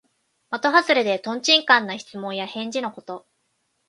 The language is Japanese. まとはずれで、とんちんかんな質問や返事のこと。